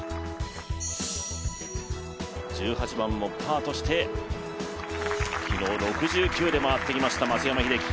１８番もパーとして、昨日６９で回ってきました